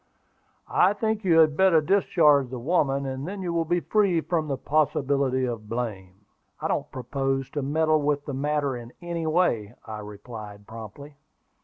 I think you had better discharge the woman, and then you will be free from the possibility of blame." "I don't propose to meddle with the matter in any way," I replied promptly.